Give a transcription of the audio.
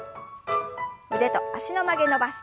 腕と脚の曲げ伸ばし。